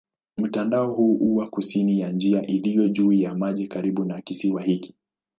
Mtandao huu huwa kusini ya njia iliyo juu ya maji karibu na kisiwa hiki.